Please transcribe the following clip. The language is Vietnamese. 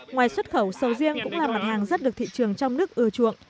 ngoài xuất khẩu sầu riêng cũng là mặt hàng rất được thị trường trong nước ưa chuộng